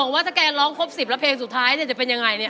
ว่าถ้าแกร้องครบ๑๐แล้วเพลงสุดท้ายเนี่ยจะเป็นยังไงเนี่ย